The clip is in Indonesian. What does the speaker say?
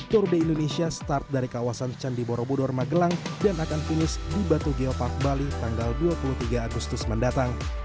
tour de indonesia start dari kawasan candi borobudur magelang dan akan finish di batu geopark bali tanggal dua puluh tiga agustus mendatang